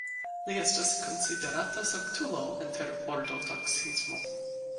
Li estas konsiderata sanktulo inter Ortodoksismo.